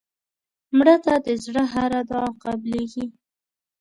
مړه ته د زړه هره دعا قبلیږي